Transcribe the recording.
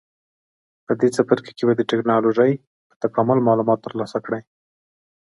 په دې څپرکي کې به د ټېکنالوجۍ په تکامل معلومات ترلاسه کړئ.